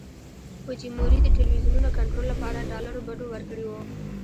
فوجیموري د ټلویزیونونو کنټرول لپاره ډالرو بډو ورکړي وو.